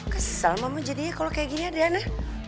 kesel mama jadinya kalau kayak gini adiana